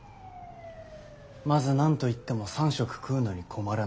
まず何と言っても３食食うのに困らない。